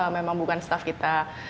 memang bukan staff kita